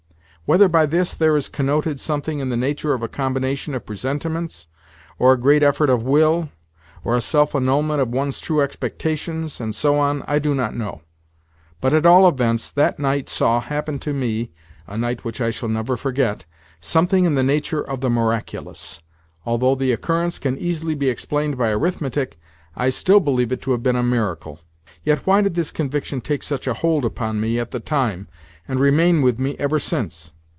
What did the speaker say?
Whether by this there is connoted something in the nature of a combination of presentiments, or a great effort of will, or a self annulment of one's true expectations, and so on, I do not know; but, at all events that night saw happen to me (a night which I shall never forget) something in the nature of the miraculous. Although the occurrence can easily be explained by arithmetic, I still believe it to have been a miracle. Yet why did this conviction take such a hold upon me at the time, and remain with me ever since?